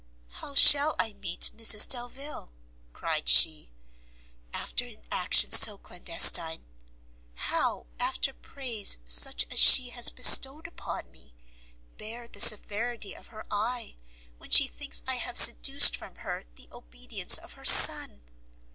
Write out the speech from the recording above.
"How shall I meet Mrs Delvile," cried she, "after an action so clandestine? How, after praise such as she has bestowed upon me, bear the severity of her eye, when she thinks I have seduced from her the obedience of her son!